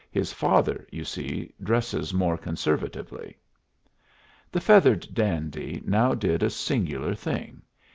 His father, you see, dresses more conservatively." The feathered dandy now did a singular thing.